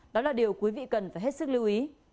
đó là điều quý vị cần phải hết sức lưu ý